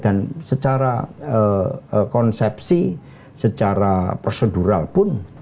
dan secara konsepsi secara prosedural pun